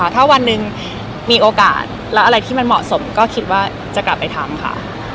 ถ้าวันหนึ่งมีโอกาสแล้วอะไรที่มันเหมาะสมก็คิดว่าจะกลับไปทำค่ะ